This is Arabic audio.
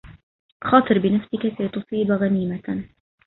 خاطر بنفسك كي تصيب غنيمة